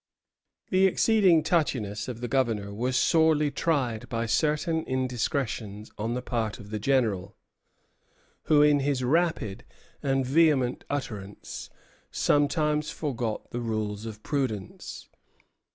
The exceeding touchiness of the Governor was sorely tried by certain indiscretions on the part of the General, who in his rapid and vehement utterances sometimes forgot the rules of prudence.